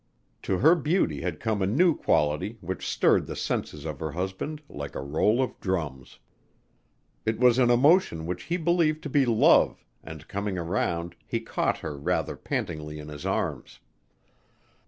To her beauty had come a new quality which stirred the senses of her husband like a roll of drums. It was an emotion which he believed to be love and coming around he caught her rather pantingly in his arms.